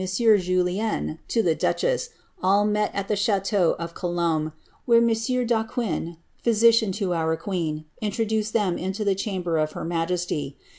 Juiien, to the duchess, all met at the chft ^ teau of Colonibe, where M. D'Aquin, physician to our queen, intio ,' duced them into the chamber of her majesty.